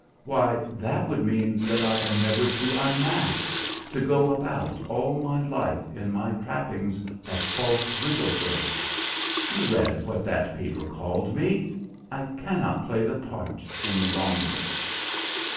"Why, that would mean that I am never to unmask; to go about all my life in my trappings of false widowhood. You read what that paper called me! I cannot play the part any longer."